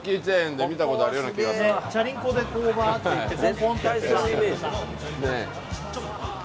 チャリンコでわーっと行ってね。